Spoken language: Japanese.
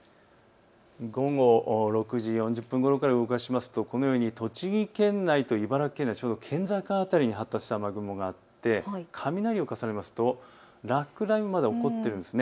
午後６時４０分ごろから動かしますと、このように栃木県内と茨城県内、ちょうど県境辺りに発達した雨雲があって雷を重ねますと落雷も起こっているんです。